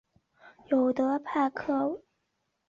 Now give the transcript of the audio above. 有德派克花介为粗面介科派克花介属下的一个种。